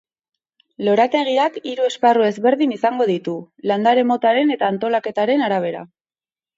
Lorategiak hiru esparru ezberdin izango ditu, landare motaren eta antolaketaren arabera.